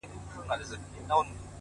o پښتې ستري تر سترو، استثناء د يوې گوتي،